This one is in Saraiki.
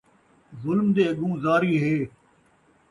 ظلم دے اڳوں زاری ہے